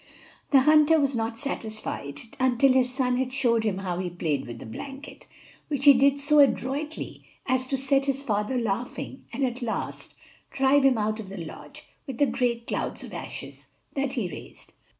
The hunter was not satisfied until his son had shown him how he played with the blanket, which he did so adroitly as to set his father laughing and at last drive him out of the lodge with the great clouds of ashes that he raised.